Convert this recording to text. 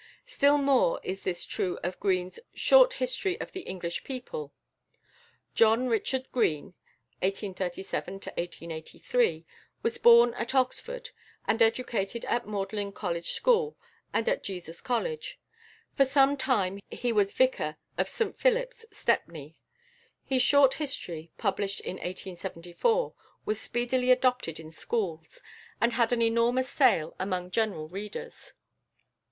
Still more is this true of Green's "Short History of the English People." =John Richard Green (1837 1883)= was born at Oxford, and educated at Magdalen College School and at Jesus College. For some time he was vicar of St Philip's, Stepney. His "Short History," published in 1874, was speedily adopted in schools, and had an enormous sale among general readers.